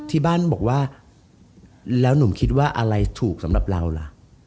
ที่บ้านบอกว่าแล้วหนุ่มคิดว่าอะไรถูกสำหรับเราล่ะ